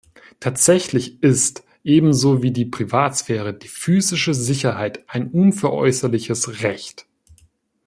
Tatsächlich ist, ebenso wie die Privatsphäre, die physische Sicherheit ein unveräußerliches Recht.